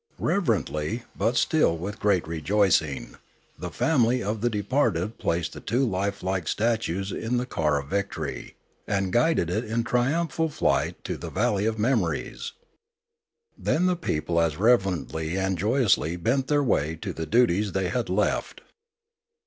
Reverently, but still with great rejoicing, the family of the departed placed the two lifelike statues in the car of victory, and guided it in triumphal flight to the val ley of memories. Then the people as reverently and joyously bent their way to the duties they had left.